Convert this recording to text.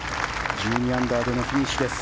１２アンダーでのフィニッシュ。